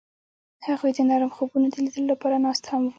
هغوی د نرم خوبونو د لیدلو لپاره ناست هم وو.